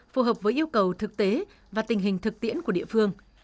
phù hợp với yêu cầu thực tế và tình hình thực tiễn của địa phương